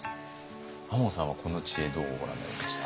亞門さんはこの知恵どうご覧になりました？